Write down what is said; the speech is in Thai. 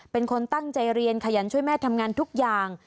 เป็นคนตั้งใจเรียนขยันช่วยแม่ทำงานทุกอย่าง